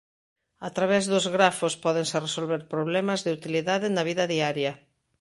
A través dos grafos pódense resolver problemas de utilidade na vida diaria.